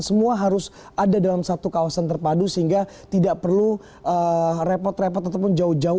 semua harus ada dalam satu kawasan terpadu sehingga tidak perlu repot repot ataupun jauh jauh